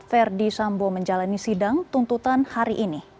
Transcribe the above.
verdi sambo menjalani sidang tuntutan hari ini